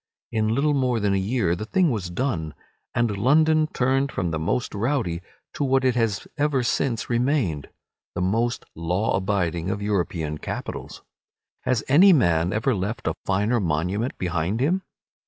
In little more than a year the thing was done, and London turned from the most rowdy to what it has ever since remained, the most law abiding of European capitals. Has any man ever left a finer monument behind him?